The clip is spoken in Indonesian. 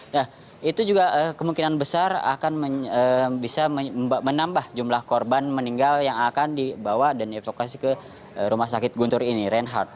nah itu juga kemungkinan besar akan bisa menambah jumlah korban meninggal yang akan dibawa dan dievakuasi ke rumah sakit guntur ini reinhardt